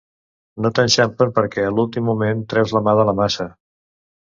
No t'enxampen perquè, a l'últim moment, treus la mà de la massa.